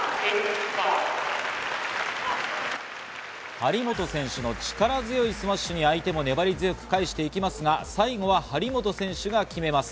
張本選手の力強いスマッシュに相手も粘り強く返していきますが、最後は張本選手が決めます。